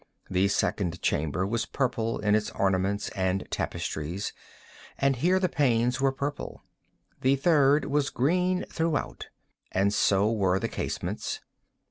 The second chamber was purple in its ornaments and tapestries, and here the panes were purple. The third was green throughout, and so were the casements.